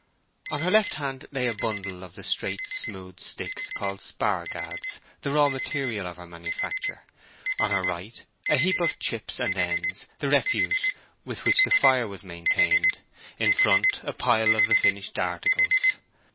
On her left hand lay a bundle of the straight, smooth sticks called spar gads—the raw material of her manufacture; on her right, a heap of chips and ends—the refuse—with which the fire was maintained; in front, a pile of the finished articles.